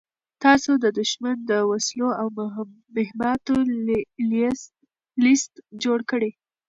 تاسو د دښمن د وسلو او مهماتو لېست جوړ کړئ.